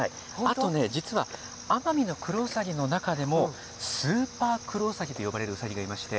そしてアマミノクロウサギの中でもスーパークロウサギと呼ばれるウサギがいまして。